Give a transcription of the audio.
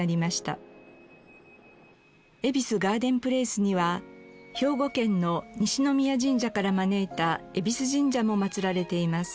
恵比寿ガーデンプレイスには兵庫県の西宮神社から招いた恵比寿神社も祭られています。